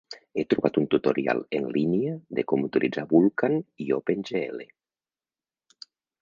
He trobat un tutorial en línia de com utilitzar Vulkan i OpenGL.